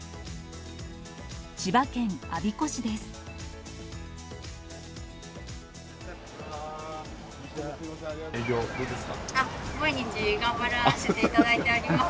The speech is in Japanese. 千葉県我孫子市です。